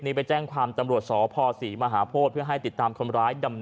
ไปแจ้งความตำรวจสพศรีมหาโพธิเพื่อให้ติดตามคนร้ายดำ